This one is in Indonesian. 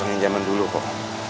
bisa berusaha yang zaman dulu kok